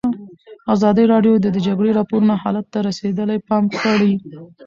ازادي راډیو د د جګړې راپورونه حالت ته رسېدلي پام کړی.